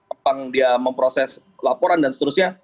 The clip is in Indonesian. apakah dia memproses laporan dan seterusnya